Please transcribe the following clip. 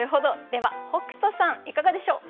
では北斗さんいかがでしょう？